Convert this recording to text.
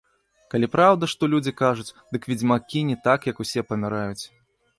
Калі праўда, што людзі кажуць, дык ведзьмакі не так, як усе, паміраюць.